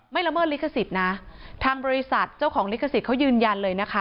ละเมิดลิขสิทธิ์นะทางบริษัทเจ้าของลิขสิทธิ์เขายืนยันเลยนะคะ